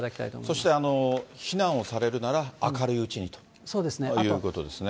そして避難をされるなら、明るいうちにということですね。